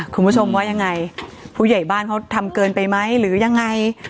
คุณผู้ชมว่ายังไงผู้ใหญ่บ้านเขาทำเกินไปไหมหรือยังไง